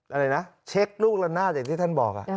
อะไรนะเช็คลูกละนาดอย่างที่ท่านบอก